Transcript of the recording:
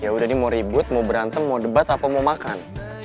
ya udah nih mau ribut mau berantem mau debat apa mau makan